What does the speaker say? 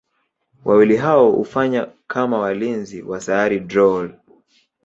Wawili hao hufanya kama walinzi wa Sayari Drool.